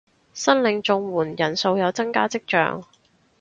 申領綜援人數有增加跡象